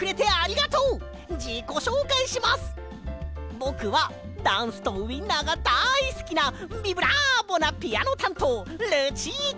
ぼくはダンスとウインナーがだいすきなビブラーボなピアノたんとうルチータ！